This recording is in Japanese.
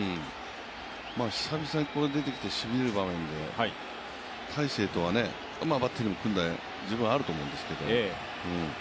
久々に出てきて、しびれる場面で、大勢とはバッテリーも組んで十分あると思うんですけど。